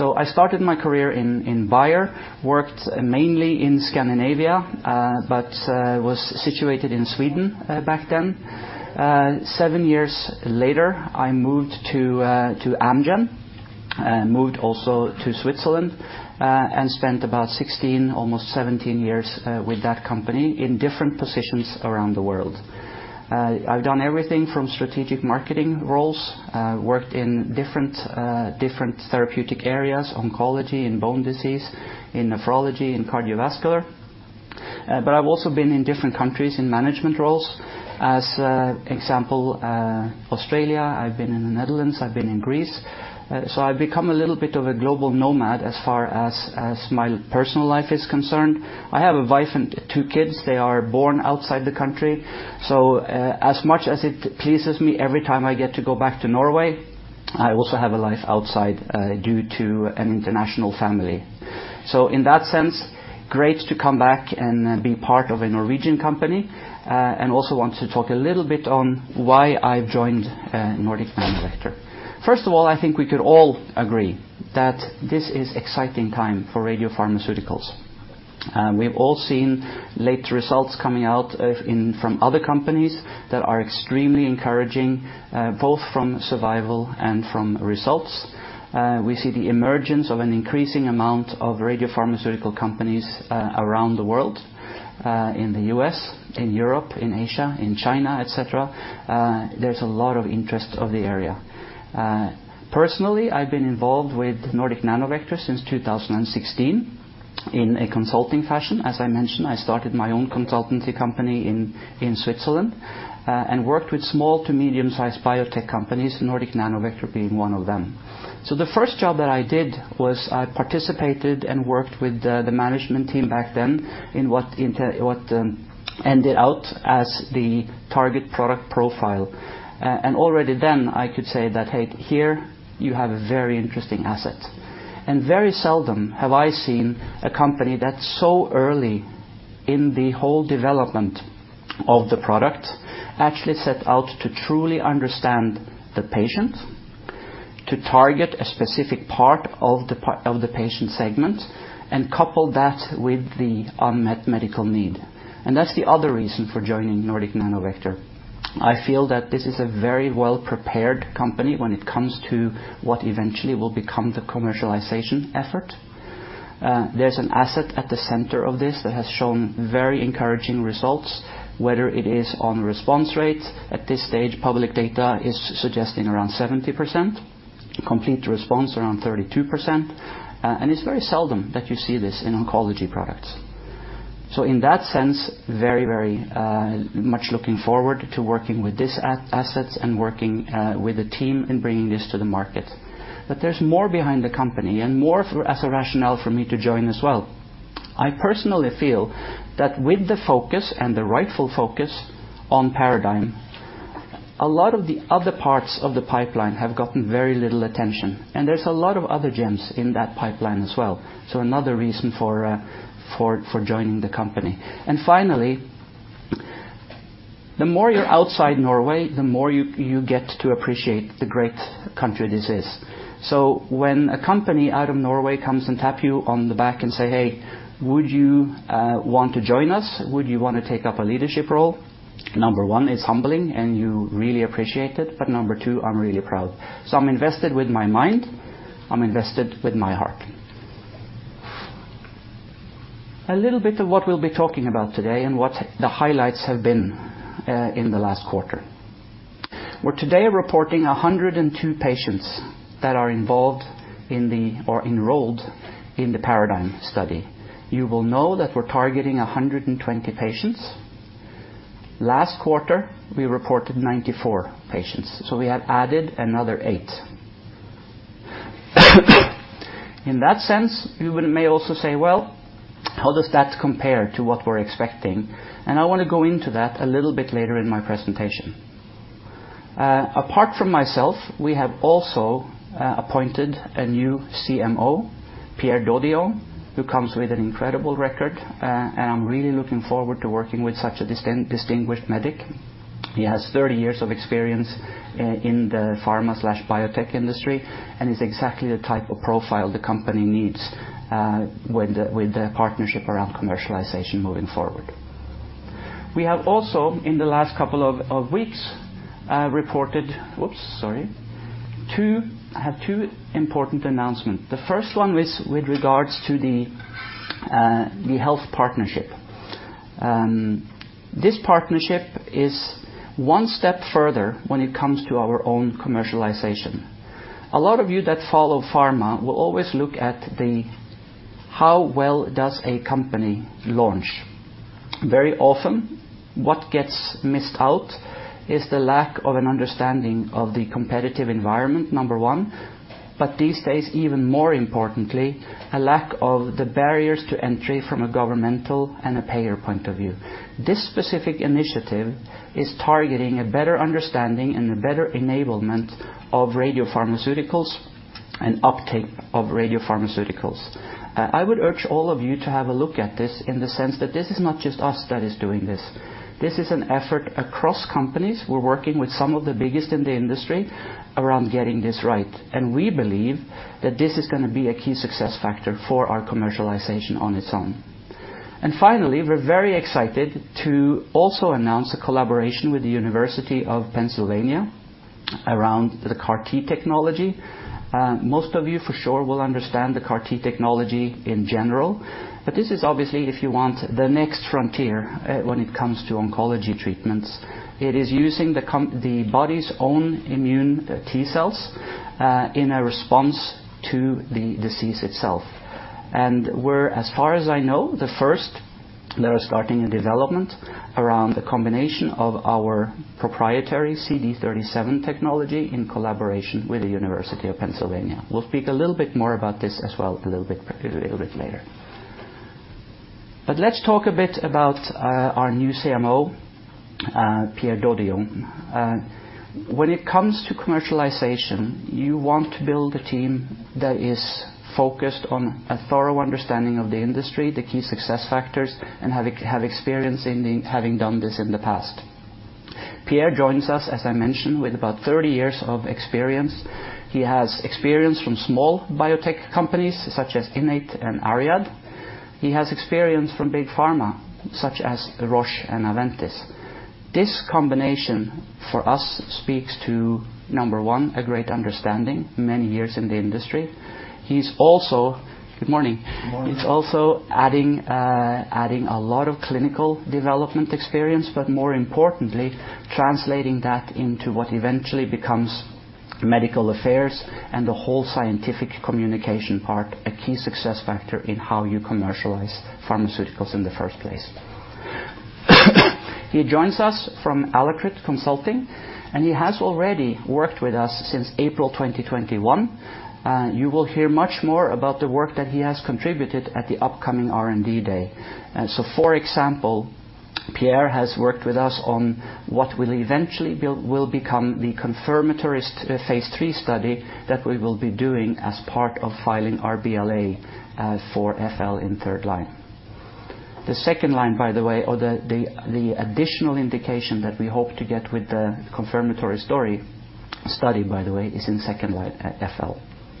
I started my career in Bayer, worked mainly in Scandinavia, but was situated in Sweden back then. Seven years later, I moved to Amgen, moved also to Switzerland, and spent about 16, almost 17 years with that company in different positions around the world. I've done everything from strategic marketing roles, worked in different therapeutic areas, oncology and bone disease, in nephrology and cardiovascular. But I've also been in different countries in management roles. For example, Australia, I've been in the Netherlands, I've been in Greece. I've become a little bit of a global nomad as far as my personal life is concerned. I have a wife and two kids. They are born outside the country. As much as it pleases me every time I get to go back to Norway, I also have a life outside, due to an international family. In that sense, great to come back and be part of a Norwegian company, and also want to talk a little bit on why I've joined Nordic Nanovector. First of all, I think we could all agree that this is exciting time for radiopharmaceuticals. We've all seen late results coming out from other companies that are extremely encouraging, both from survival and from results. We see the emergence of an increasing amount of radiopharmaceutical companies, around the world, in the U.S., in Europe, in Asia, in China, et cetera. There's a lot of interest of the area. Personally, I've been involved with Nordic Nanovector since 2016 in a consulting fashion. As I mentioned, I started my own consultancy company in Switzerland and worked with small to medium-sized biotech companies, Nordic Nanovector being one of them. The first job that I did was I participated and worked with the management team back then in what ended up as the target product profile. Already then I could say that, "Hey, here you have a very interesting asset." Very seldom have I seen a company that's so early in the whole development of the product actually set out to truly understand the patient, to target a specific part of the patient segment, and couple that with the unmet medical need. That's the other reason for joining Nordic Nanovector. I feel that this is a very well-prepared company when it comes to what eventually will become the commercialization effort. There's an asset at the center of this that has shown very encouraging results, whether it is on response rates. At this stage, public data is suggesting around 70%, complete response around 32%, and it's very seldom that you see this in oncology products. In that sense, very much looking forward to working with these assets and working with the team in bringing this to the market. There's more behind the company and more as a rationale for me to join as well. I personally feel that with the focus and the rightful focus on PARADIGME, a lot of the other parts of the pipeline have gotten very little attention, and there's a lot of other gems in that pipeline as well, so another reason for joining the company. Finally, the more you're outside Norway, the more you get to appreciate the great country this is. When a company out of Norway comes and tap you on the back and say, "Hey, would you want to join us? Would you want to take up a leadership role?" number one, it's humbling, and you really appreciate it, but number two, I'm really proud. I'm invested with my mind, I'm invested with my heart. A little bit of what we'll be talking about today and what the highlights have been in the last quarter. We're today reporting 102 patients that are involved or enrolled in the PARADIGME study. You will know that we're targeting 120 patients. Last quarter, we reported 94 patients, so we have added another 8. In that sense, you may also say, "Well, how does that compare to what we're expecting?" I want to go into that a little bit later in my presentation. Apart from myself, we have also appointed a new CMO, Pierre Dodion, who comes with an incredible record, and I'm really looking forward to working with such a distinguished medic. He has 30 years of experience in the pharma/biotech industry and is exactly the type of profile the company needs, with the partnership around commercialization moving forward. We have also, in the last couple of weeks, reported. Whoops, sorry. I have two important announcements. The first one with regards to the health partnership. This partnership is one step further when it comes to our own commercialization. A lot of you that follow pharma will always look at how well a company launches. Very often, what gets missed out is the lack of an understanding of the competitive environment, number one, but these days, even more importantly, a lack of the barriers to entry from a governmental and a payer point of view. This specific initiative is targeting a better understanding and a better enablement of an uptake of radiopharmaceuticals. I would urge all of you to have a look at this in the sense that this is not just us that is doing this. This is an effort across companies. We're working with some of the biggest in the industry around getting this right, and we believe that this is gonna be a key success factor for our commercialization on its own. Finally, we're very excited to also announce a collaboration with the University of Pennsylvania around the CAR-T technology. Most of you for sure will understand the CAR-T technology in general, but this is obviously, if you want, the next frontier when it comes to oncology treatments. It is using the body's own immune T-cells in a response to the disease itself. We're, as far as I know, the first that are starting a development around the combination of our proprietary CD37 technology in collaboration with the University of Pennsylvania. We'll speak a little bit more about this as well later. Let's talk a bit about our new CMO, Pierre Dodion. When it comes to commercialization, you want to build a team that is focused on a thorough understanding of the industry, the key success factors, and have experience in having done this in the past. Pierre joins us, as I mentioned, with about 30 years of experience. He has experience from small biotech companies such as Innate and ARIAD. He has experience from big pharma such as Roche and Aventis. This combination, for us, speaks to, number one, a great understanding, many years in the industry. Good morning. He's adding a lot of clinical development experience, but more importantly, translating that into what eventually becomes medical affairs and the whole scientific communication part, a key success factor in how you commercialize pharmaceuticals in the first place. He joins us from Alacrita Consulting, and he has already worked with us since April 2021. You will hear much more about the work that he has contributed at the upcoming R&D day. For example, Pierre has worked with us on what will eventually become the confirmatory phase III study that we will be doing as part of filing our BLA for FL in third line. The second line, by the way, or the additional indication that we hope to get with the confirmatory study, by the way, is in second line FL.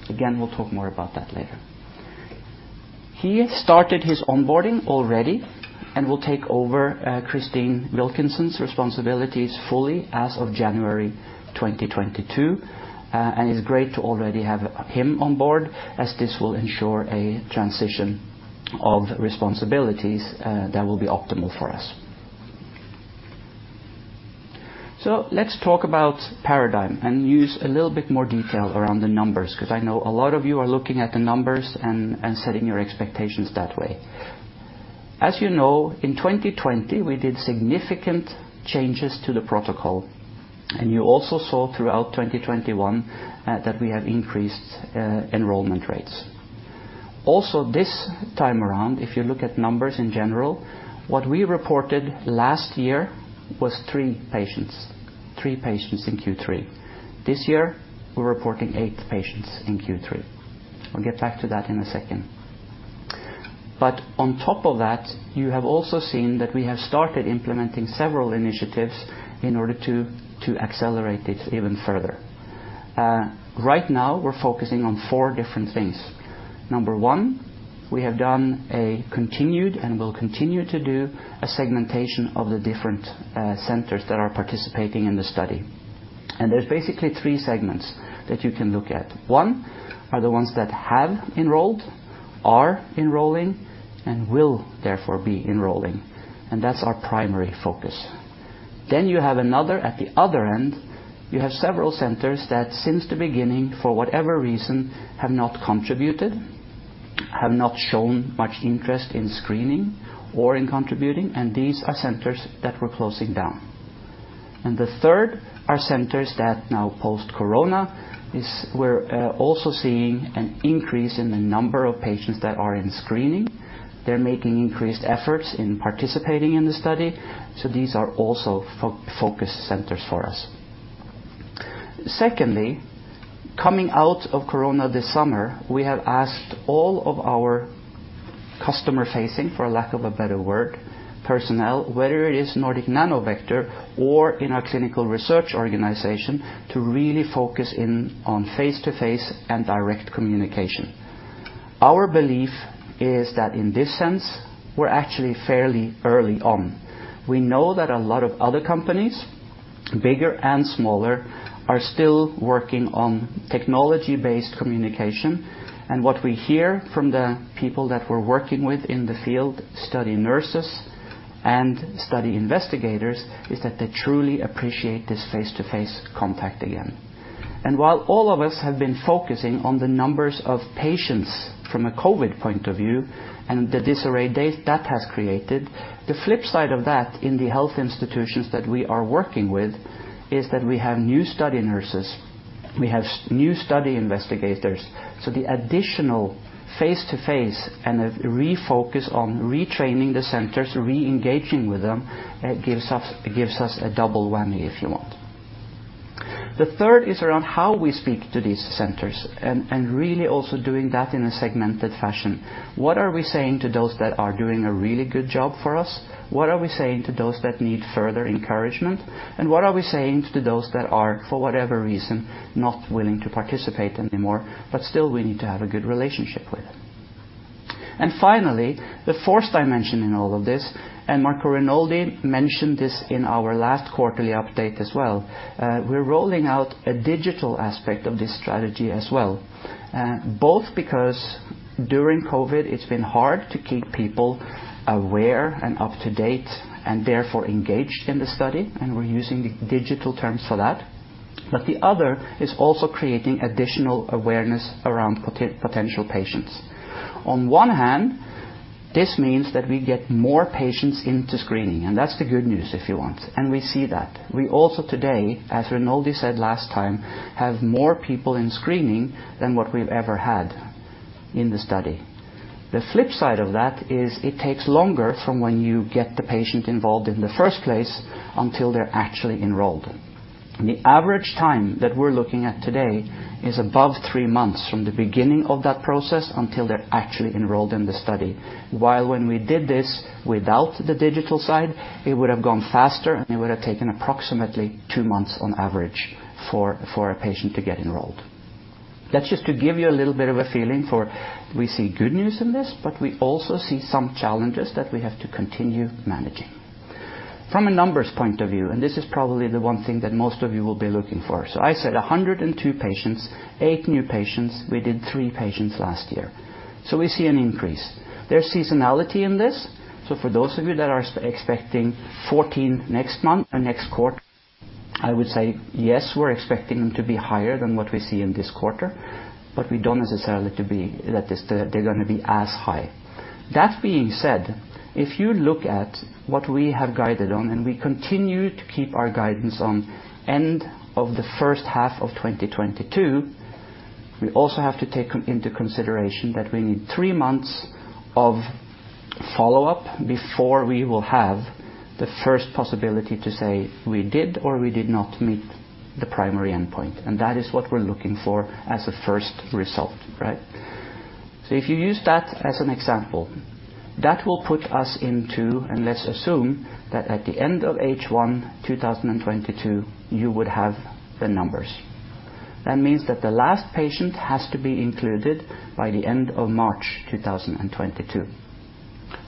Again, we'll talk more about that later. He started his onboarding already and will take over Christine Wilkinson's responsibilities fully as of January 2022. It's great to already have him on board as this will ensure a transition of responsibilities that will be optimal for us. Let's talk about PARADIGME and use a little bit more detail around the numbers because I know a lot of you are looking at the numbers and setting your expectations that way. As you know, in 2020, we did significant changes to the protocol. You also saw throughout 2021 that we have increased enrollment rates. Also this time around, if you look at numbers in general, what we reported last year was three patients in Q3. This year, we're reporting eight patients in Q3. I'll get back to that in a second. On top of that, you have also seen that we have started implementing several initiatives in order to accelerate it even further. Right now, we're focusing on four different things. Number one, we have done and will continue to do a segmentation of the different centers that are participating in the study. There's basically three segments that you can look at. One are the ones that have enrolled, are enrolling, and will therefore be enrolling. That's our primary focus. You have another; at the other end, you have several centers that since the beginning, for whatever reason, have not contributed, have not shown much interest in screening or in contributing, and these are centers that we're closing down. The third are centers that now post-corona, we're also seeing an increase in the number of patients that are in screening. They're making increased efforts in participating in the study, so these are also focus centers for us. Secondly, coming out of corona this summer, we have asked all of our customer-facing, for lack of a better word, personnel, whether it is Nordic Nanovector or in our clinical research organization, to really focus in on face-to-face and direct communication. Our belief is that in this sense, we're actually fairly early on. We know that a lot of other companies, bigger and smaller, are still working on technology-based communication. What we hear from the people that we're working with in the field, study nurses and study investigators, is that they truly appreciate this face-to-face contact again. While all of us have been focusing on the numbers of patients from a COVID point of view and the disarray that has created, the flip side of that in the health institutions that we are working with is that we have new study nurses, we have new study investigators. The additional face to face and a refocus on retraining the centers, re-engaging with them, gives us a double whammy, if you want. The third is around how we speak to these centers and really also doing that in a segmented fashion. What are we saying to those that are doing a really good job for us? What are we saying to those that need further encouragement? What are we saying to those that are, for whatever reason, not willing to participate anymore but still we need to have a good relationship with? Finally, the fourth dimension in all of this, and Marco Renoldi mentioned this in our last quarterly update as well, we're rolling out a digital aspect of this strategy as well. Both because during COVID, it's been hard to keep people aware and up to date and therefore engaged in the study, and we're using the digital terms for that. The other is also creating additional awareness around potential patients. On one hand, this means that we get more patients into screening, and that's the good news if you want, and we see that. We also today, as Renoldi said last time, have more people in screening than what we've ever had in the study. The flip side of that is it takes longer from when you get the patient involved in the first place until they're actually enrolled. The average time that we're looking at today is above three months from the beginning of that process until they're actually enrolled in the study. While when we did this without the digital side, it would have gone faster, and it would have taken approximately two months on average for a patient to get enrolled. That's just to give you a little bit of a feeling for we see good news in this, but we also see some challenges that we have to continue managing. From a numbers point of view, and this is probably the one thing that most of you will be looking for. I said 102 patients, eight new patients. We did three patients last year. We see an increase. There's seasonality in this. For those of you that are expecting 14 next month or next quarter, I would say, yes, we're expecting them to be higher than what we see in this quarter, but we don't necessarily expect that they're gonna be as high. That being said, if you look at what we have guided on, we continue to keep our guidance on end of the first half of 2022, we also have to take into consideration that we need three months of follow-up before we will have the first possibility to say we did or we did not meet the primary endpoint. That is what we're looking for as a first result, right? If you use that as an example, that will put us into Let's assume that at the end of H1 2022, you would have the numbers. That means that the last patient has to be included by the end of March 2022.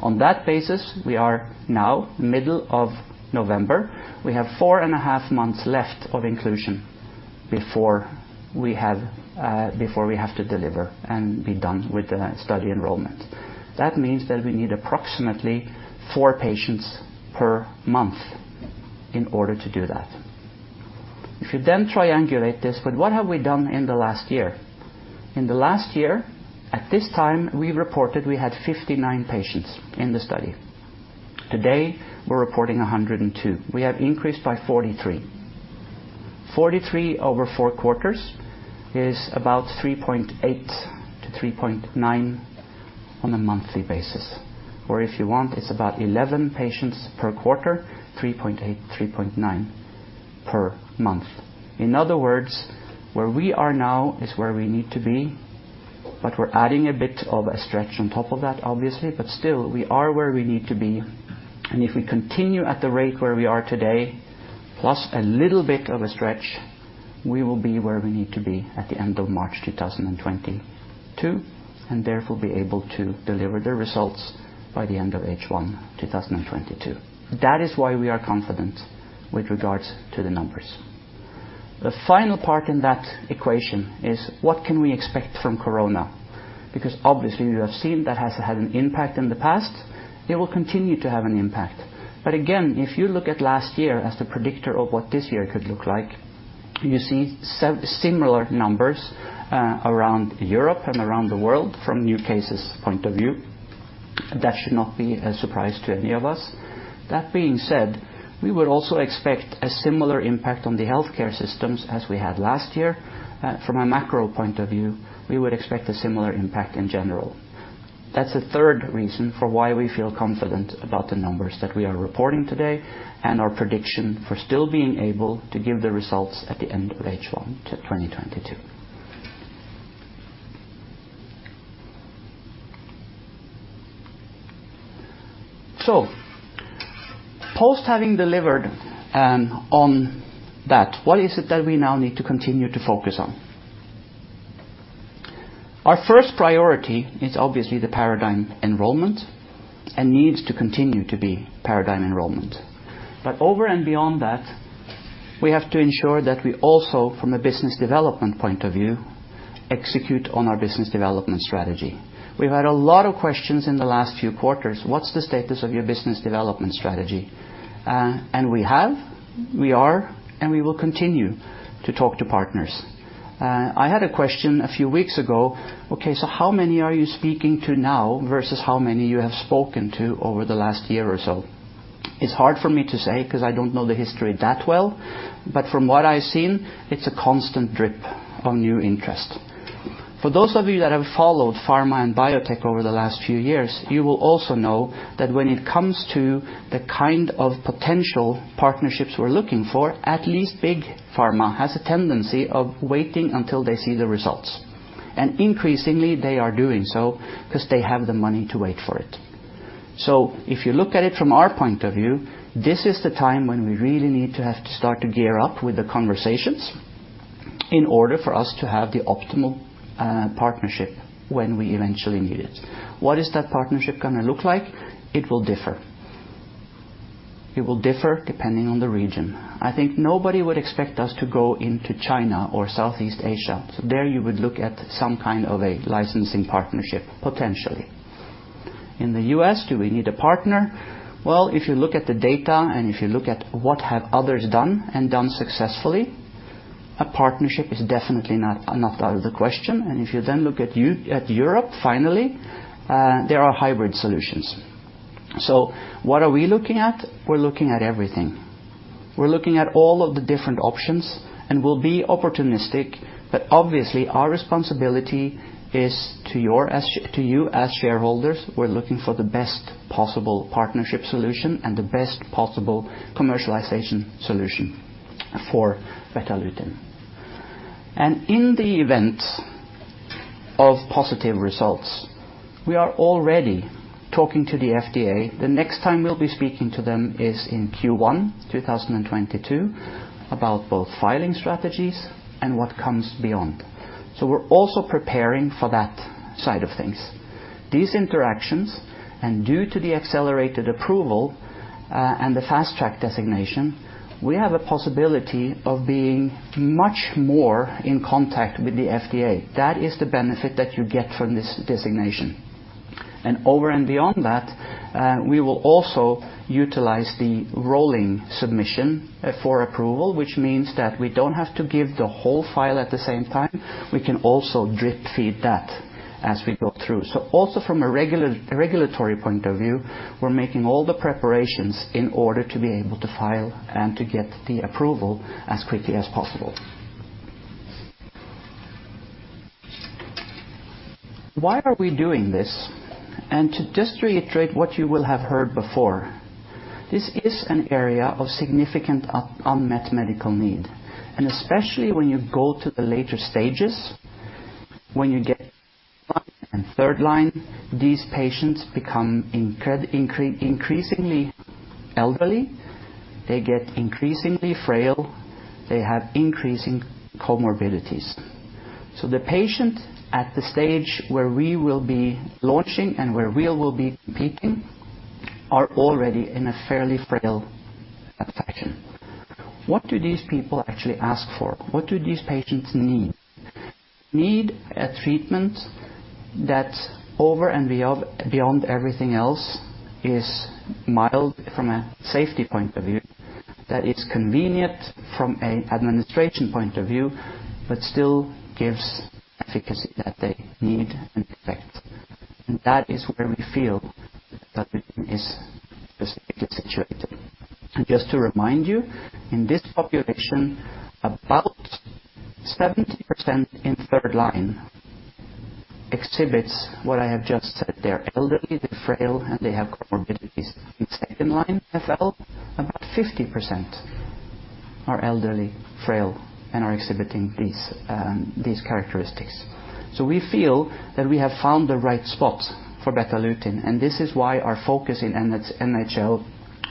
On that basis, we are now in the middle of November. We have four and a half months left of inclusion before we have to deliver and be done with the study enrollment. That means that we need approximately four patients per month in order to do that. If you then triangulate this with what have we done in the last year? In the last year, at this time, we reported we had 59 patients in the study. Today, we're reporting 102. We have increased by 43. 43 over four quarters is about 3.8-3.9 on a monthly basis. If you want, it's about 11 patients per quarter, 3.8, 3.9 per month. In other words, where we are now is where we need to be, but we're adding a bit of a stretch on top of that, obviously. Still, we are where we need to be, and if we continue at the rate where we are today, plus a little bit of a stretch, we will be where we need to be at the end of March 2022, and therefore be able to deliver the results by the end of H1 2022. That is why we are confident with regards to the numbers. The final part in that equation is what can we expect from Corona? Because obviously, we have seen that has had an impact in the past. It will continue to have an impact. Again, if you look at last year as the predictor of what this year could look like, you see similar numbers around Europe and around the world from new cases point of view. That should not be a surprise to any of us. That being said, we would also expect a similar impact on the healthcare systems as we had last year. From a macro point of view, we would expect a similar impact in general. That's the third reason for why we feel confident about the numbers that we are reporting today and our prediction for still being able to give the results at the end of H1 2022. Post having delivered on that, what is it that we now need to continue to focus on? Our first priority is obviously the PARADIGME enrollment and needs to continue to be PARADIGME enrollment. Over and beyond that, we have to ensure that we also, from a business development point of view, execute on our business development strategy. We've had a lot of questions in the last few quarters. What's the status of your business development strategy? We have, we are, and we will continue to talk to partners. I had a question a few weeks ago, okay, so how many are you speaking to now versus how many you have spoken to over the last year or so? It's hard for me to say because I don't know the history that well. From what I've seen, it's a constant drip of new interest. For those of you that have followed pharma and biotech over the last few years, you will also know that when it comes to the kind of potential partnerships we're looking for, at least big pharma has a tendency of waiting until they see the results. Increasingly, they are doing so because they have the money to wait for it. If you look at it from our point of view, this is the time when we really need to start to gear up with the conversations in order for us to have the optimal partnership when we eventually need it. What is that partnership going to look like? It will differ depending on the region. I think nobody would expect us to go into China or Southeast Asia. There you would look at some kind of a licensing partnership, potentially. In the U.S., do we need a partner? Well, if you look at the data and if you look at what have others done and done successfully, a partnership is definitely not out of the question. If you then look at Europe, finally, there are hybrid solutions. What are we looking at? We're looking at everything. We're looking at all of the different options, and we'll be opportunistic. But obviously, our responsibility is to you as shareholders, we're looking for the best possible partnership solution and the best possible commercialization solution for Betalutin. In the event of positive results, we are already talking to the FDA. The next time we'll be speaking to them is in Q1 2022, about both filing strategies and what comes beyond. We're also preparing for that side of things. These interactions, and due to the Accelerated Approval, and the Fast Track designation, we have a possibility of being much more in contact with the FDA. That is the benefit that you get from this designation. Over and beyond that, we will also utilize the rolling submission, for approval, which means that we don't have to give the whole file at the same time. We can also drip-feed that as we go through. Also from a regulatory point of view, we're making all the preparations in order to be able to file and to get the approval as quickly as possible. Why are we doing this? To just reiterate what you will have heard before, this is an area of significant unmet medical need. Especially when you go to the later stages, when you get to second line and third line, these patients become increasingly elderly. They get increasingly frail. They have increasing comorbidities. The patient at the stage where we will be launching and where we will be competing are already in a fairly frail condition. What do these people actually ask for? What do these patients need? They need a treatment that over and beyond everything else is mild from a safety point of view, that is convenient from an administration point of view, but still gives efficacy that they need and expect. That is where we feel that Betalutin is specifically situated. Just to remind you, in this population, about 70% in third line exhibits what I have just said. They're elderly, they're frail, and they have comorbidities. In second line FL, about 50% are elderly, frail, and are exhibiting these characteristics. We feel that we have found the right spot for Betalutin, and this is why our focus in NHL,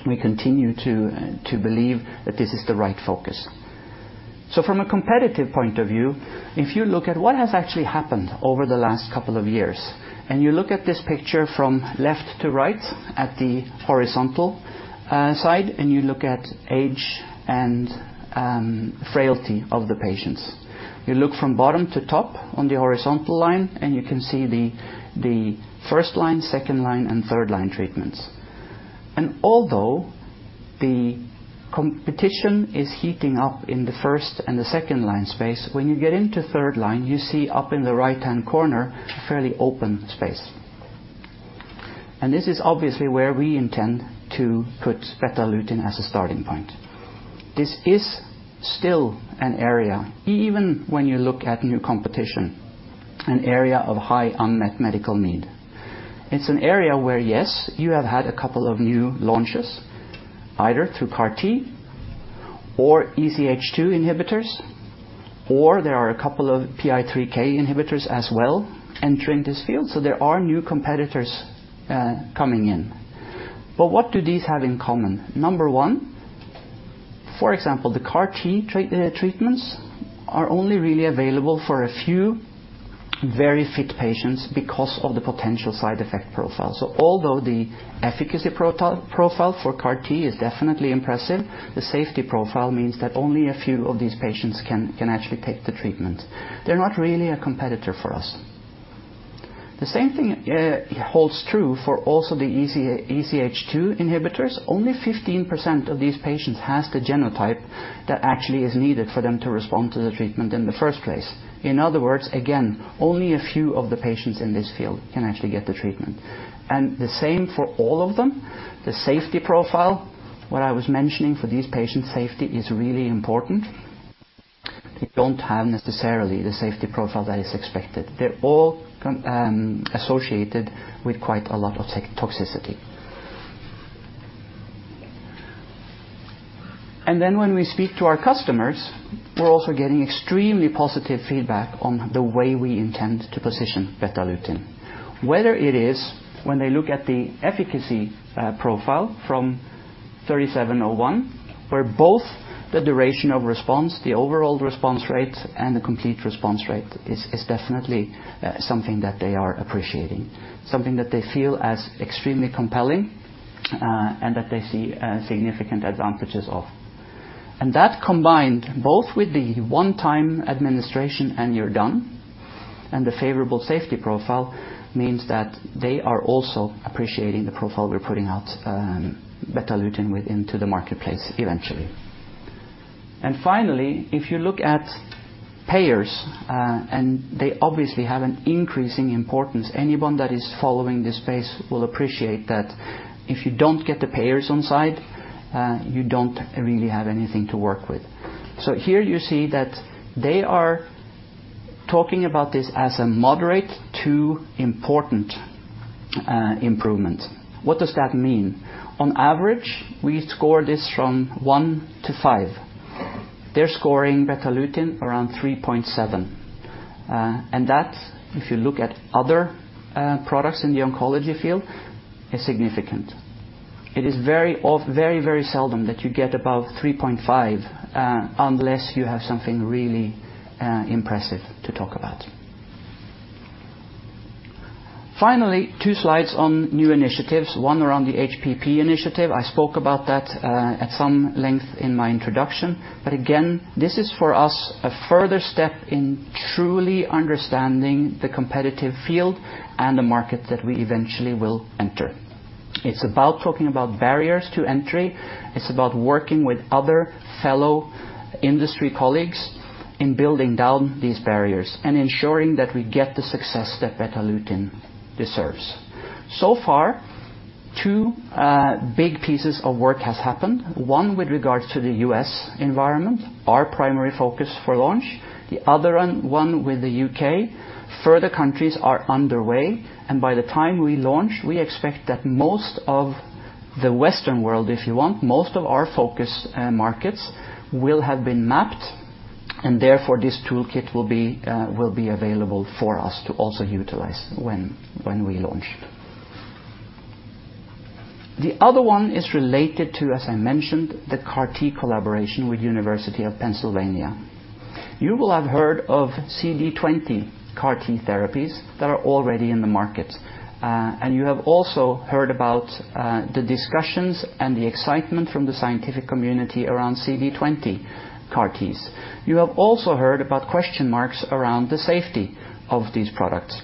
we continue to believe that this is the right focus. From a competitive point of view, if you look at what has actually happened over the last couple of years, and you look at this picture from left to right at the horizontal side, and you look at age and frailty of the patients. You look from bottom to top on the horizontal line, and you can see the first line, second line, and third-line treatments. Although the competition is heating up in the first and the second line space, when you get into third line, you see up in the right-hand corner a fairly open space. This is obviously where we intend to put Betalutin as a starting point. This is still an area, even when you look at new competition, an area of high unmet medical need. It's an area where, yes, you have had a couple of new launches, either through CAR-T or EZH2 inhibitors, or there are a couple of PI3K inhibitors as well entering this field. There are new competitors coming in. What do these have in common? Number one, for example, the CAR-T treatments are only really available for a few very fit patients because of the potential side effect profile. Although the efficacy profile for CAR-T is definitely impressive, the safety profile means that only a few of these patients can actually take the treatment. They're not really a competitor for us. The same thing holds true for also the EZH2 inhibitors. Only 15% of these patients has the genotype that actually is needed for them to respond to the treatment in the first place. In other words, again, only a few of the patients in this field can actually get the treatment. The same for all of them. The safety profile, what I was mentioning for these patients, safety is really important. They don't have necessarily the safety profile that is expected. They're all associated with quite a lot of toxicity. Then when we speak to our customers, we're also getting extremely positive feedback on the way we intend to position Betalutin. Whether it is when they look at the efficacy profile from 37-01, where both the duration of response, the overall response rate, and the complete response rate is definitely something that they are appreciating, something that they feel as extremely compelling, and that they see significant advantages of. That combined both with the one-time administration and you're done, and the favorable safety profile means that they are also appreciating the profile we're putting out, Betalutin with into the marketplace eventually. Finally, if you look at payers, and they obviously have an increasing importance, anyone that is following this space will appreciate that if you don't get the payers on side, you don't really have anything to work with. Here you see that they are talking about this as a moderate to important improvement. What does that mean? On average, we score this from 1 to 5. They're scoring Betalutin around 3.7. And that, if you look at other products in the oncology field, is significant. It is very, very seldom that you get above 3.5, unless you have something really impressive to talk about. Finally, two slides on new initiatives, one around the HPP initiative. I spoke about that at some length in my introduction. Again, this is for us a further step in truly understanding the competitive field and the market that we eventually will enter. It's about talking about barriers to entry. It's about working with other fellow industry colleagues in building down these barriers and ensuring that we get the success that Betalutin deserves. So far, two big pieces of work has happened. One with regards to the U.S. environment, our primary focus for launch. The other one with the U.K. Further countries are underway, and by the time we launch, we expect that most of the Western world, if you want, most of our focus, markets will have been mapped, and therefore, this toolkit will be available for us to also utilize when we launch. The other one is related to, as I mentioned, the CAR-T collaboration with University of Pennsylvania. You will have heard of CD20 CAR-T therapies that are already in the market. You have also heard about the discussions and the excitement from the scientific community around CD20 CAR-Ts. You have also heard about question marks around the safety of these products.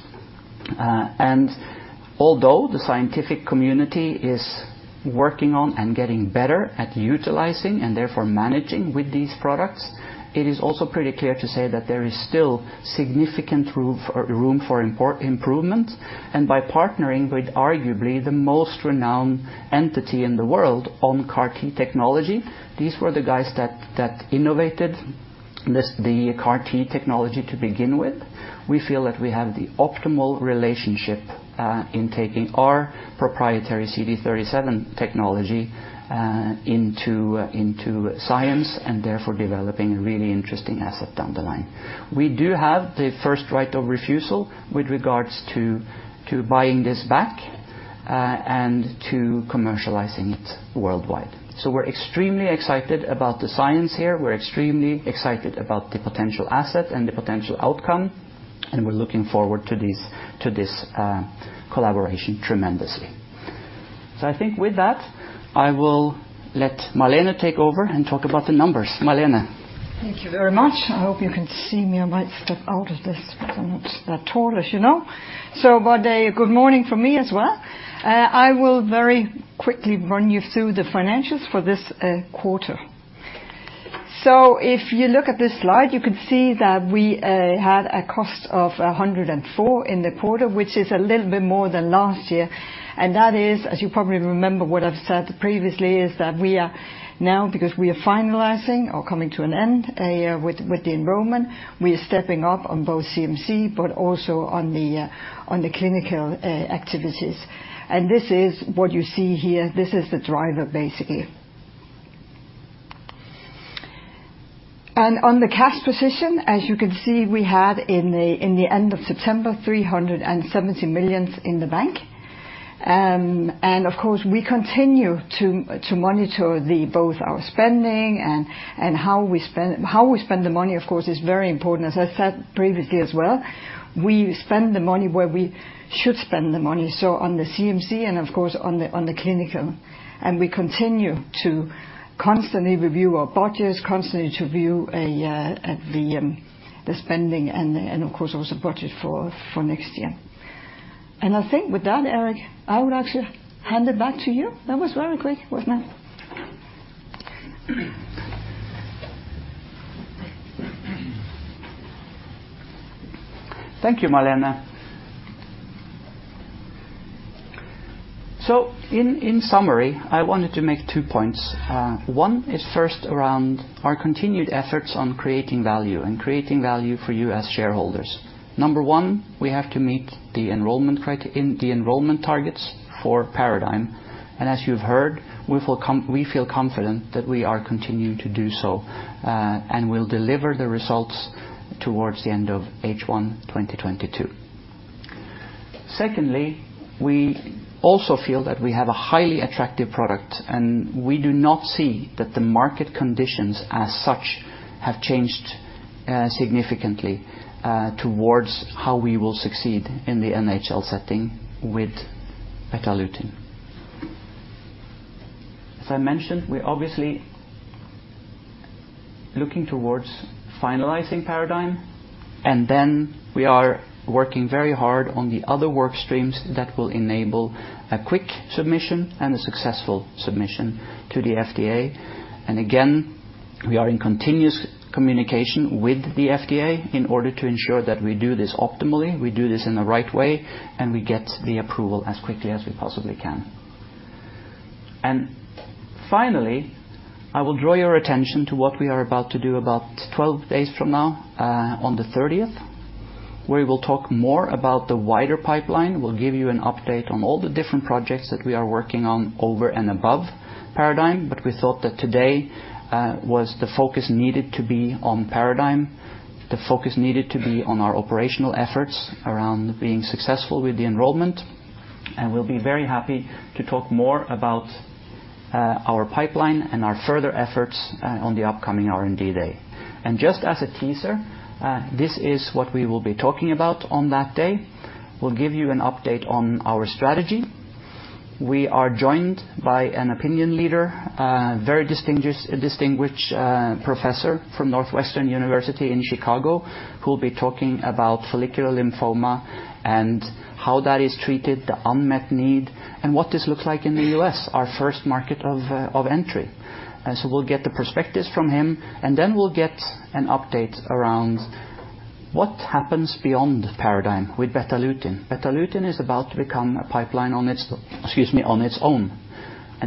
Although the scientific community is working on and getting better at utilizing and therefore managing with these products, it is also pretty clear to say that there is still significant room for improvement. By partnering with arguably the most renowned entity in the world on CAR-T technology, these were the guys that innovated the CAR-T technology to begin with. We feel that we have the optimal relationship in taking our proprietary CD37 technology into science and therefore developing a really interesting asset down the line. We do have the first right of refusal with regards to buying this back and to commercializing it worldwide. We're extremely excited about the science here. We're extremely excited about the potential asset and the potential outcome, and we're looking forward to this collaboration tremendously. I think with that, I will let Malene take over and talk about the numbers. Malene. Thank you very much. I hope you can see me. I might step out of this because I'm not that tall as you know. Bodo, good morning from me as well. I will very quickly run you through the financials for this quarter. If you look at this slide, you can see that we had a cost of 104 in the quarter, which is a little bit more than last year. That is, as you probably remember what I've said previously, that we are now because we are finalizing or coming to an end with the enrollment, we are stepping up on both CMC and also on the clinical activities. This is what you see here. This is the driver, basically. On the cash position, as you can see, we had in the end of September, 370 million in the bank. Of course, we continue to monitor both our spending and how we spend. How we spend the money, of course, is very important. As I said previously as well, we spend the money where we should spend the money, so on the CMC and of course on the clinical. We continue to constantly review our budgets at the spending and of course also budget for next year. I think with that, Erik, I would actually hand it back to you. That was very quick, wasn't it? Thank you, Malene. In summary, I wanted to make two points. One is first around our continued efforts on creating value and creating value for you as shareholders. Number one, we have to meet the enrollment targets for PARADIGME. As you've heard, we feel confident that we are continuing to do so, and we'll deliver the results towards the end of H1 2022. Secondly, we also feel that we have a highly attractive product, and we do not see that the market conditions as such have changed significantly towards how we will succeed in the NHL setting with Betalutin. As I mentioned, we're obviously looking towards finalizing PARADIGME, and then we are working very hard on the other work streams that will enable a quick submission and a successful submission to the FDA. Again, we are in continuous communication with the FDA in order to ensure that we do this optimally, we do this in the right way, and we get the approval as quickly as we possibly can. Finally, I will draw your attention to what we are about to do about 12 days from now, on the thirtieth. We will talk more about the wider pipeline. We'll give you an update on all the different projects that we are working on over and above PARADIGME. We thought that today, was the focus needed to be on PARADIGME, the focus needed to be on our operational efforts around being successful with the enrollment. We'll be very happy to talk more about, our pipeline and our further efforts, on the upcoming R&D day. Just as a teaser, this is what we will be talking about on that day. We'll give you an update on our strategy. We are joined by an opinion leader, very distinguished professor from Northwestern University in Chicago, who'll be talking about follicular lymphoma and how that is treated, the unmet need, and what this looks like in the U.S., our first market of entry. We'll get the perspectives from him, and then we'll get an update around what happens beyond PARADIGME with Betalutin. Betalutin is about to become a pipeline on its own.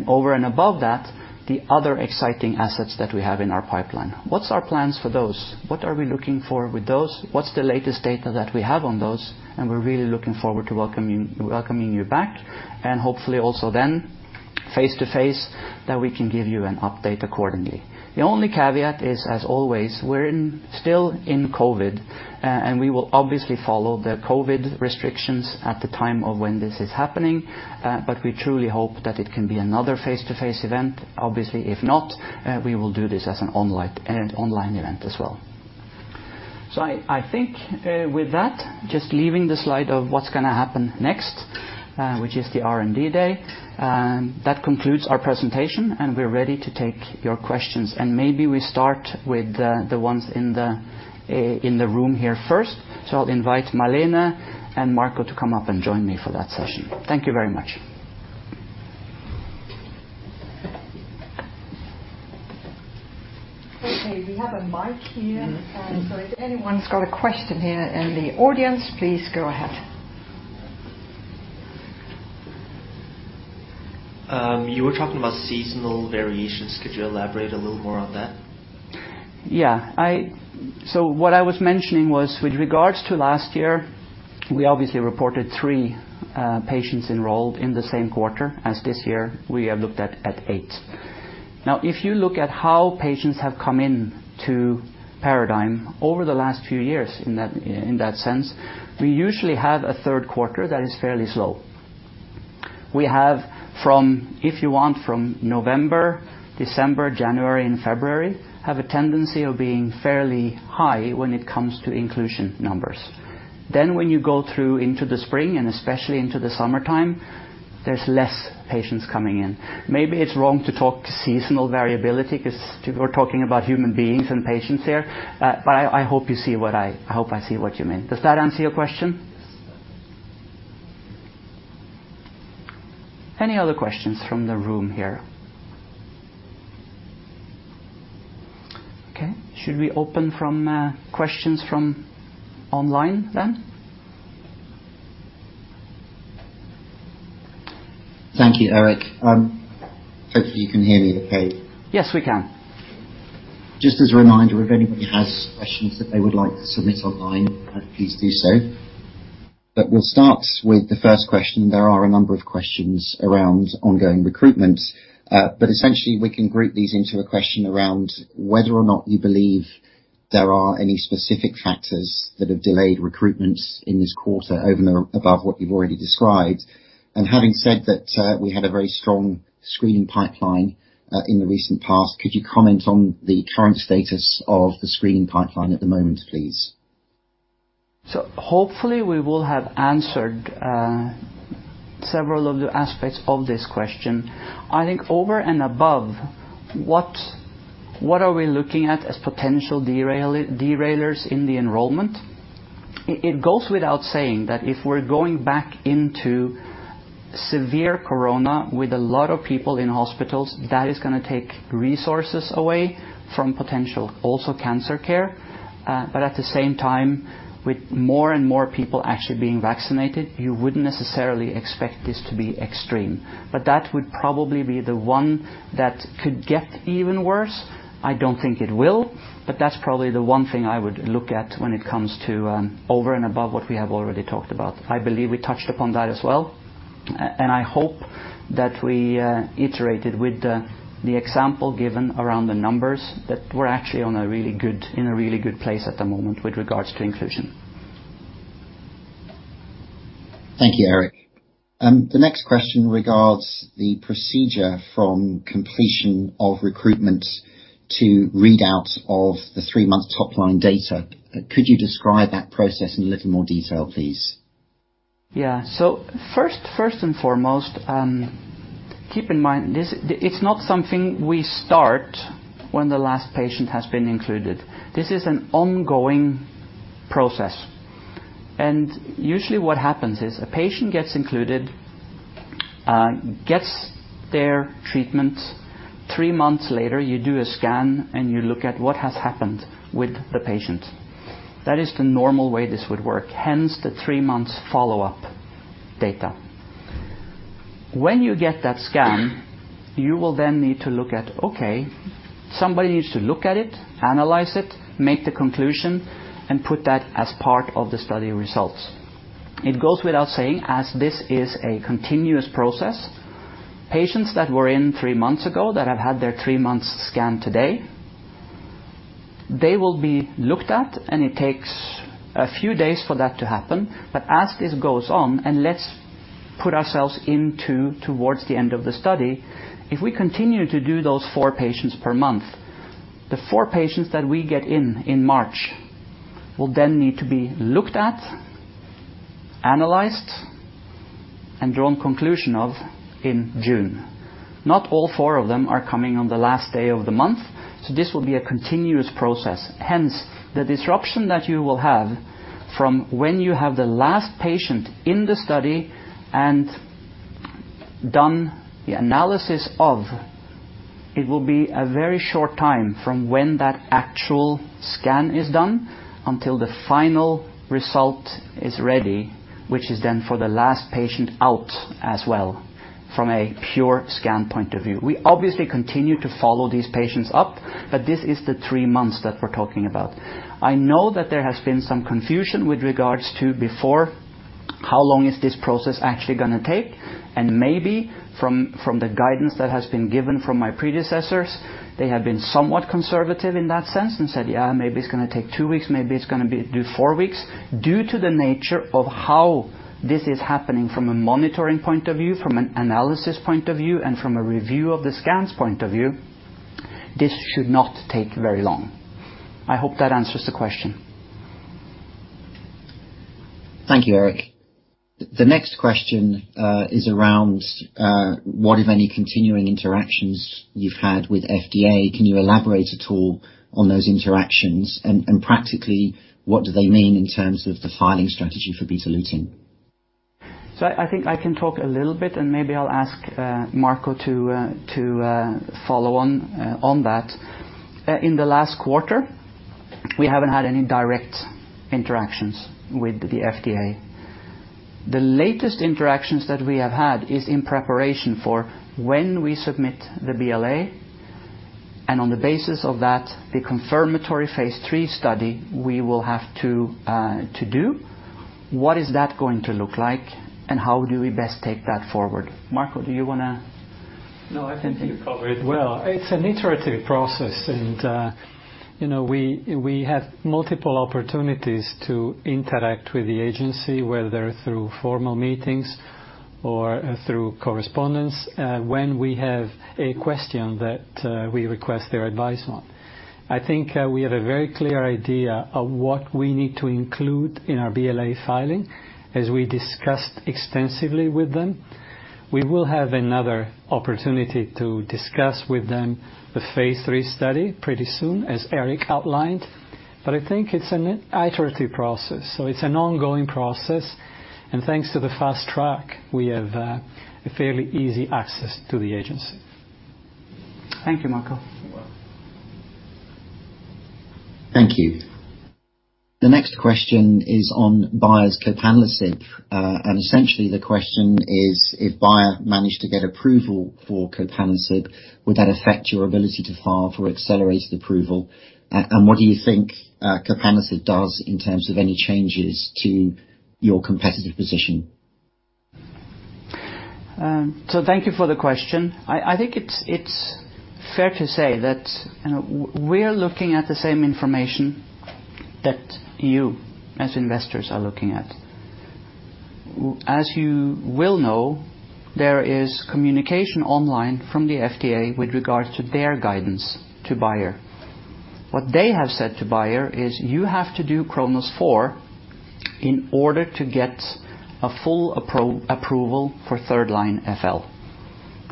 Over and above that, the other exciting assets that we have in our pipeline. What's our plans for those? What are we looking for with those? What's the latest data that we have on those? We're really looking forward to welcoming you back, and hopefully also then face-to-face that we can give you an update accordingly. The only caveat is, as always, we're still in COVID, and we will obviously follow the COVID restrictions at the time when this is happening. But we truly hope that it can be another face-to-face event. Obviously, if not, we will do this as an online event as well. I think, with that, just leaving the slide of what's gonna happen next, which is the R&D day, that concludes our presentation, and we're ready to take your questions. Maybe we start with the ones in the room here first. I'll invite Malene and Marco to come up and join me for that session. Thank you very much. Okay, we have a mic here. Mm-hmm. If anyone's got a question here in the audience, please go ahead. You were talking about seasonal variations. Could you elaborate a little more on that? Yeah. What I was mentioning was, with regards to last year, we obviously reported three patients enrolled in the same quarter, as this year we have looked at eight. Now, if you look at how patients have come in to PARADIGME over the last few years in that sense, we usually have a third quarter that is fairly slow. We have from, if you want, November, December, January and February have a tendency of being fairly high when it comes to inclusion numbers. When you go through into the spring and especially into the summertime, there's less patients coming in. Maybe it's wrong to talk seasonal variability 'cause we're talking about human beings and patients here. But I hope you see what I mean. Does that answer your question? Yes. Any other questions from the room here? Okay. Should we open from questions from online then? Thank you, Erik. Hopefully you can hear me okay. Yes, we can. Just as a reminder, if anybody has questions that they would like to submit online, please do so. We'll start with the first question. There are a number of questions around ongoing recruitment. Essentially we can group these into a question around whether or not you believe there are any specific factors that have delayed recruitment in this quarter over and above what you've already described. Having said that, we had a very strong screening pipeline in the recent past. Could you comment on the current status of the screening pipeline at the moment, please? Hopefully we will have answered several of the aspects of this question. I think over and above, what are we looking at as potential derailers in the enrollment? It goes without saying that if we're going back into severe corona with a lot of people in hospitals, that is gonna take resources away from potential, also cancer care. But at the same time, with more and more people actually being vaccinated, you wouldn't necessarily expect this to be extreme. But that would probably be the one that could get even worse. I don't think it will, but that's probably the one thing I would look at when it comes to, over and above what we have already talked about. I believe we touched upon that as well. I hope that we iterated with the example given around the numbers that we're actually in a really good place at the moment with regards to inclusion. Thank you, Erik. The next question regards the procedure from completion of recruitment to readouts of the three-month top-line data. Could you describe that process in a little more detail, please? First and foremost, keep in mind it's not something we start when the last patient has been included. This is an ongoing process. Usually what happens is a patient gets included, gets their treatment. Three months later, you do a scan, and you look at what has happened with the patient. That is the normal way this would work, hence the three months follow-up data. When you get that scan, you will then need to look at, okay, somebody needs to look at it, analyze it, make the conclusion, and put that as part of the study results. It goes without saying, as this is a continuous process, patients that were in three months ago that have had their three months scan today, they will be looked at, and it takes a few days for that to happen. As this goes on, and let's put ourselves into towards the end of the study, if we continue to do those four patients per month, the four patients that we get in in March will then need to be looked at, analyzed, and drawn conclusion of in June. Not all four of them are coming on the last day of the month, so this will be a continuous process. Hence, the disruption that you will have from when you have the last patient in the study and done the analysis of, it will be a very short time from when that actual scan is done until the final result is ready, which is then for the last patient out as well from a pure scan point of view. We obviously continue to follow these patients up, but this is the three months that we're talking about. I know that there has been some confusion with regards to before, how long is this process actually gonna take, and maybe from the guidance that has been given from my predecessors, they have been somewhat conservative in that sense and said, "Yeah, maybe it's gonna take two weeks, maybe it's gonna be four weeks." Due to the nature of how this is happening from a monitoring point of view, from an analysis point of view, and from a review of the scans point of view, this should not take very long. I hope that answers the question. Thank you, Erik. The next question is around what, if any, continuing interactions you've had with FDA. Can you elaborate at all on those interactions? Practically, what do they mean in terms of the filing strategy for Betalutin? I think I can talk a little bit, and maybe I'll ask Marco to follow on that. In the last quarter, we haven't had any direct interactions with the FDA. The latest interactions that we have had is in preparation for when we submit the BLA, and on the basis of that, the confirmatory phase III study we will have to do. What is that going to look like, and how do we best take that forward? Marco, do you wanna- No, I think you covered it well. It's an iterative process, and you know, we have multiple opportunities to interact with the Agency, whether through formal meetings or through correspondence, when we have a question that we request their advice on. I think we have a very clear idea of what we need to include in our BLA filing as we discussed extensively with them. We will have another opportunity to discuss with them the phase III study pretty soon, as Erik outlined, but I think it's an iterative process. It's an ongoing process, and thanks to the Fast Track, we have a fairly easy access to the Agency. Thank you, Marco. You're welcome. Thank you. The next question is on Bayer's copanlisib. Essentially the question is: If Bayer managed to get approval for copanlisib, would that affect your ability to file for Accelerated Approval? What do you think copanlisib does in terms of any changes to your competitive position? Thank you for the question. I think it's fair to say that, you know, we're looking at the same information that you, as investors, are looking at. As you will know, there is communication online from the FDA with regards to their guidance to Bayer. What they have said to Bayer is you have to do CHRONOS-4 in order to get a full approval for third-line FL.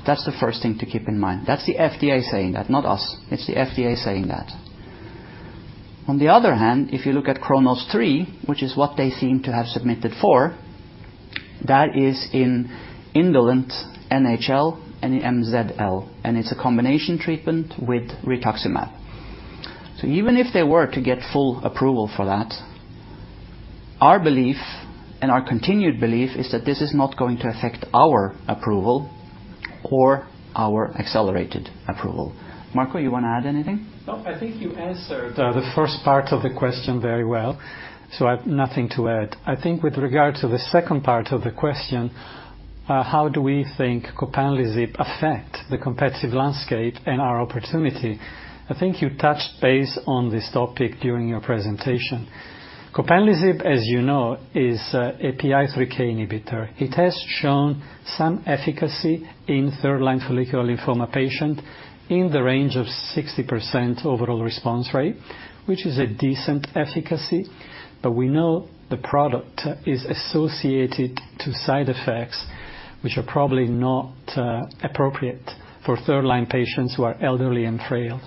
That's the first thing to keep in mind. That's the FDA saying that, not us. It's the FDA saying that. On the other hand, if you look at CHRONOS-3, which is what they seem to have submitted for, that is in indolent NHL and in MZL, and it's a combination treatment with rituximab. Even if they were to get full approval for that, our belief and our continued belief is that this is not going to affect our approval or our accelerated approval. Marco, you want to add anything? No, I think you answered the first part of the question very well, so I've nothing to add. I think with regard to the second part of the question, how do we think copanlisib affect the competitive landscape and our opportunity. I think you touched base on this topic during your presentation. Copanlisib, as you know, is a PI3K inhibitor. It has shown some efficacy in third line follicular lymphoma patient in the range of 60% overall response rate, which is a decent efficacy. We know the product is associated to side effects which are probably not appropriate for third-line patients who are elderly and frail.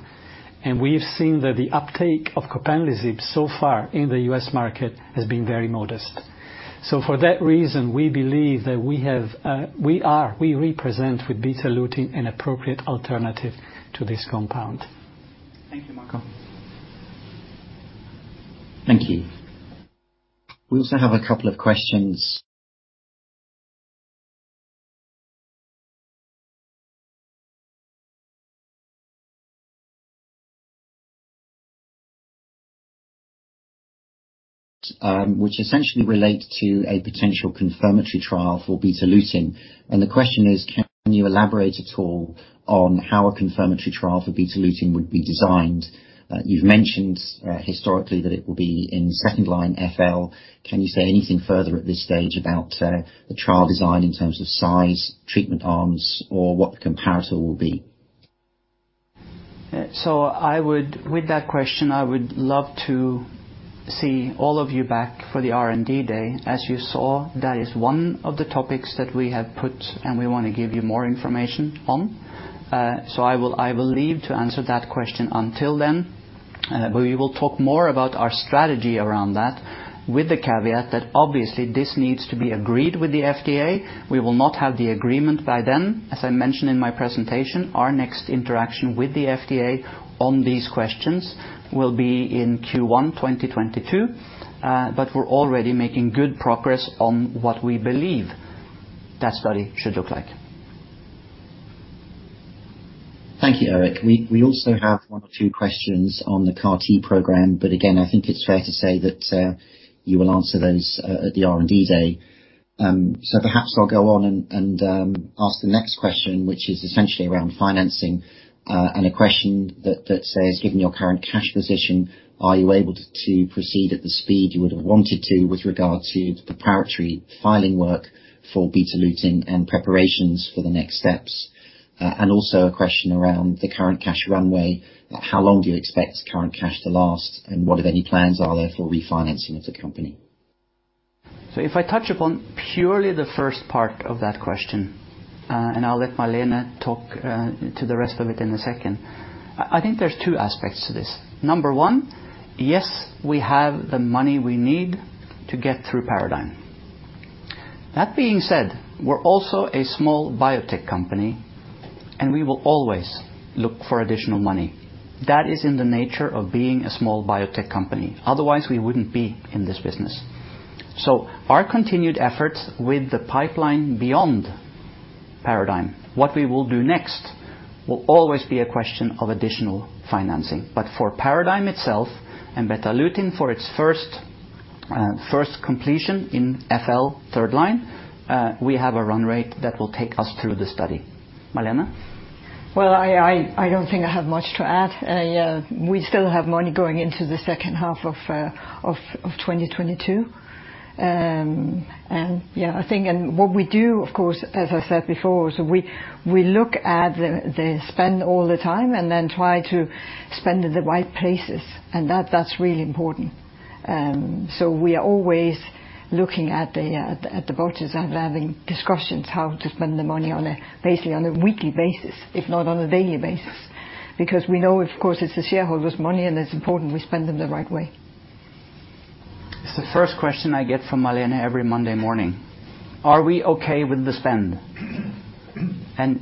We've seen that the uptake of copanlisib so far in the U.S. market has been very modest. For that reason, we believe that we have... We represent with Betalutin an appropriate alternative to this compound. Thank you, Marco. Thank you. We also have a couple of questions, which essentially relate to a potential confirmatory trial for Betalutin. The question is, can you elaborate at all on how a confirmatory trial for Betalutin would be designed? You've mentioned historically that it will be in second line FL. Can you say anything further at this stage about the trial design in terms of size, treatment arms or what the comparator will be? With that question, I would love to see all of you back for the R&D Day. As you saw, that is one of the topics that we have put and we wanna give you more information on. I will leave to answer that question until then. We will talk more about our strategy around that with the caveat that obviously this needs to be agreed with the FDA. We will not have the agreement by then. As I mentioned in my presentation, our next interaction with the FDA on these questions will be in Q1 2022. We're already making good progress on what we believe that study should look like. Thank you, Erik. We also have one or two questions on the CAR-T program, but again, I think it's fair to say that you will answer those at the R&D day. Perhaps I'll go on and ask the next question, which is essentially around financing. A question that says, given your current cash position, are you able to proceed at the speed you would have wanted to with regard to the preparatory filing work for Betalutin and preparations for the next steps? Also a question around the current cash runway. How long do you expect current cash to last, and what if any plans are there for refinancing of the company? If I touch upon purely the first part of that question, and I'll let Malene talk to the rest of it in a second. I think there's two aspects to this. Number one, yes, we have the money we need to get through PARADIGME. That being said, we're also a small biotech company, and we will always look for additional money. That is in the nature of being a small biotech company. Otherwise, we wouldn't be in this business. Our continued efforts with the pipeline beyond PARADIGME, what we will do next will always be a question of additional financing. But for PARADIGME itself and Betalutin for its first completion in FL third line, we have a run rate that will take us through the study. Malene. Well, I don't think I have much to add. Yeah, we still have money going into the second half of 2022. Yeah, I think what we do, of course, as I said before, we look at the spend all the time and then try to spend in the right places, and that's really important. We are always looking at the vouchers and having discussions how to spend the money basically on a weekly basis, if not on a daily basis. Because we know, of course, it's the shareholders' money and it's important we spend them the right way. It's the first question I get from Malene every Monday morning. Are we okay with the spend?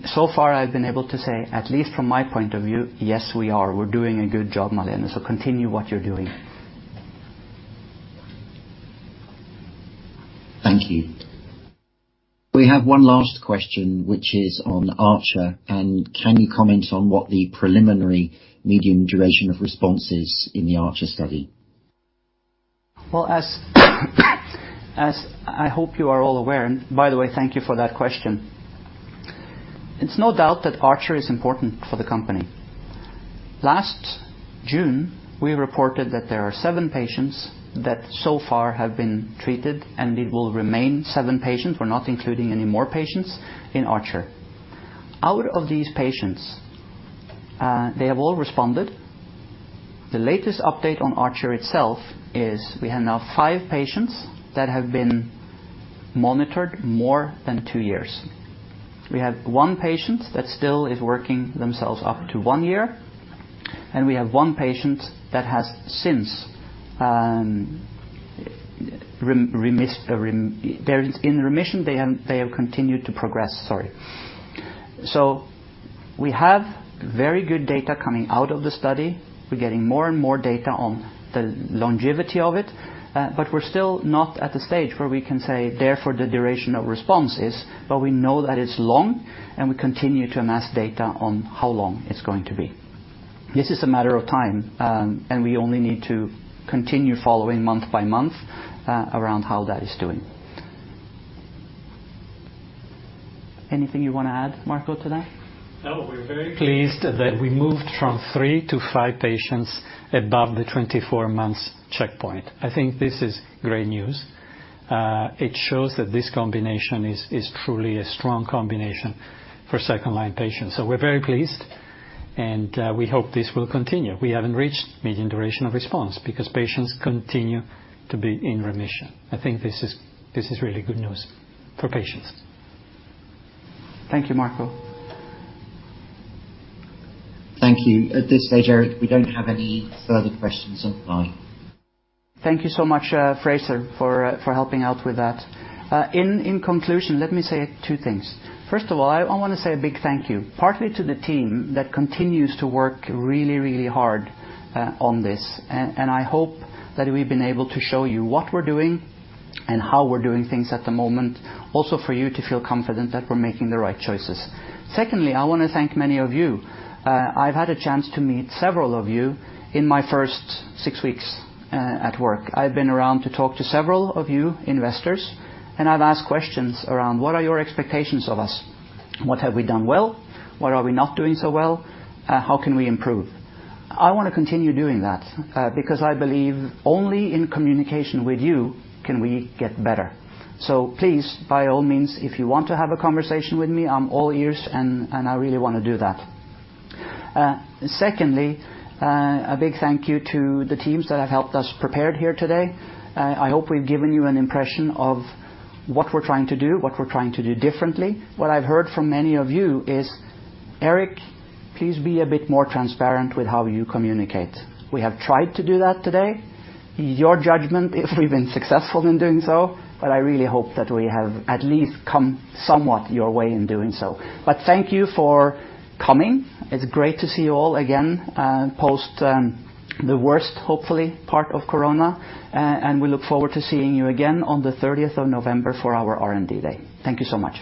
So far, I've been able to say, at least from my point of view, "Yes, we are. We're doing a good job, Malene. So continue what you're doing. Thank you. We have one last question, which is on ARCHER, and can you comment on what the preliminary median duration of response is in the ARCHER study? Well, as I hope you are all aware, and by the way, thank you for that question. It's no doubt that ARCHER is important for the company. Last June, we reported that there are seven patients that so far have been treated, and it will remain seven patients. We're not including any more patients in ARCHER. Out of these patients, they have all responded. The latest update on ARCHER itself is we have now five patients that have been monitored more than two years. We have one patient that still is working themselves up to one year, and we have 1onepatient that has since, they're in remission. They have continued to progress. Sorry. We have very good data coming out of the study. We're getting more and more data on the longevity of it, but we're still not at the stage where we can say, therefore, the duration of response is. We know that it's long, and we continue to amass data on how long it's going to be. This is a matter of time, and we only need to continue following month by month, around how that is doing. Anything you wanna add, Marco, to that? No. We're very pleased that we moved from three to five patients above the 24 months checkpoint. I think this is great news. It shows that this combination is truly a strong combination for second-line patients. We're very pleased, and we hope this will continue. We haven't reached median duration of response because patients continue to be in remission. I think this is really good news for patients. Thank you, Marco. Thank you. At this stage, Erik, we don't have any further questions on the line. Thank you so much, Frazer, for helping out with that. In conclusion, let me say two things. First of all, I wanna say a big thank you, partly to the team that continues to work really, really hard on this. I hope that we've been able to show you what we're doing and how we're doing things at the moment, also for you to feel confident that we're making the right choices. Secondly, I wanna thank many of you. I've had a chance to meet several of you in my first six weeks at work. I've been around to talk to several of you investors, and I've asked questions around what are your expectations of us? What have we done well? What are we not doing so well? How can we improve? I wanna continue doing that, because I believe only in communication with you can we get better. Please, by all means, if you want to have a conversation with me, I'm all ears, and I really wanna do that. Secondly, a big thank you to the teams that have helped us prepared here today. I hope we've given you an impression of what we're trying to do, what we're trying to do differently. What I've heard from many of you is, "Erik, please be a bit more transparent with how you communicate." We have tried to do that today. Your judgment if we've been successful in doing so, but I really hope that we have at least come somewhat your way in doing so. Thank you for coming. It's great to see you all again post the worst, hopefully, part of corona. We look forward to seeing you again on the thirtieth of November for our R&D day. Thank you so much.